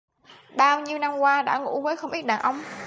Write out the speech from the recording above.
bao nhiêu năm qua đã ngủ với không ít đàn ông